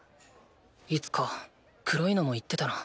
いつか黒いのも言ってたな。